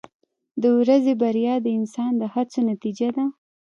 • د ورځې بریا د انسان د هڅو نتیجه ده.